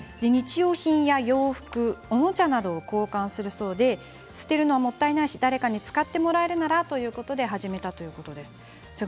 日用品や洋服おもちゃなどを交換するそうで捨てるのはもったいないし誰かに使ってもらえるならということで始めたそうです。